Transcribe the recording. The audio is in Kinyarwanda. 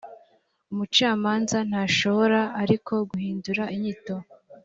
umucamanza ntashobora ariko guhindura inyito